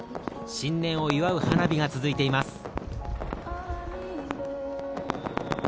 新年を祝う花火が続いています。